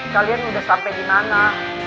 kalian udah sampe dimana